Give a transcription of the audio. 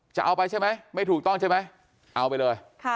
จะเอาไปใช่ไหมไม่ถูกต้องใช่ไหมเอาไปเลย